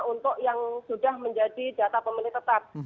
untuk yang sudah menjadi data pemilih tetap